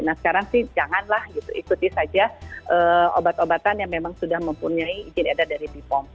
nah sekarang sih janganlah gitu ikuti saja obat obatan yang memang sudah mempunyai izin edar dari bepom